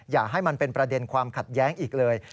อย่าให้มันเป็นประเด็นความขัดแย้งอีกเลย